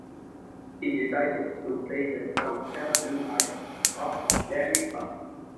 He decides to play the song "Pale Blue Eyes" off of that record.